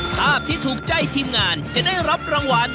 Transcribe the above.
ภาพที่ถูกใจทีมงานจะได้รับรางวัล